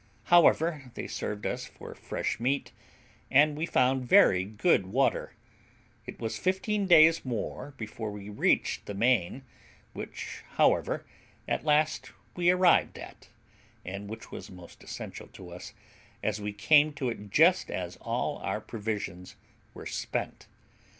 However, they served us for fresh meat, and we found very good water; and it was fifteen days more before we reached the main, which, however, at last we arrived at, and which was most essential to us, as we came to it just as all our provisions were spent.